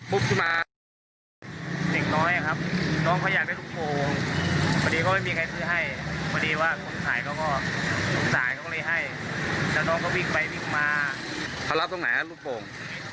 พึบขึ้นมาเด็กน้อยอะครับน้องเขาอยากได้ลูกโป่ง